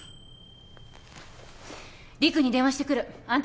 陸に電話してくるあんた